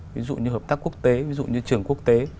ví dụ như hợp tác quốc tế ví dụ như trường quốc tế